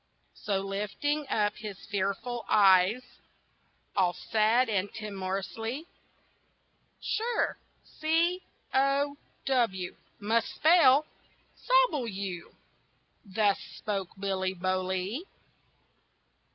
So, lifting up his fearful eyes All sad and timorously, "Sure, C O W, must spell, Sobble you!" Thus spoke Billy Bolee.